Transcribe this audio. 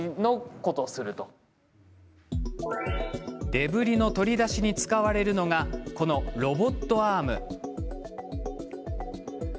デブリの取り出しに使われるのがこのロボットアーム。